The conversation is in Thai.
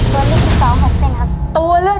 ต้นไม้ประจำจังหวัดระยองการครับ